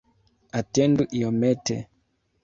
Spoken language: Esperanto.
Atendu iomete!